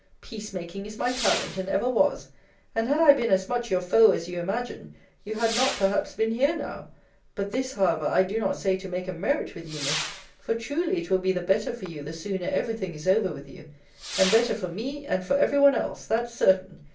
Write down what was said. Peace making is my talent, and ever was. And had I been as much your foe, as you imagine, you had not perhaps been here now. But this, however, I do not say to make a merit with you, Miss: for, truly, it will be the better for you the sooner every thing is over with you. And better for me, and for every one else; that's certain.